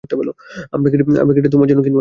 আমি কি এটা তোমার জন্য কিনবো?